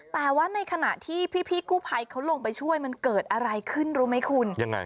แต่ว่าในขณะที่พี่กู้ภัยเขาลงไปช่วยมันเกิดอะไรขึ้นรู้ไหมคุณยังไง